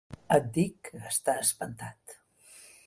Et dic que està espantat.